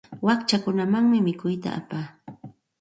Wakchakunamanmi mikuyta apaa.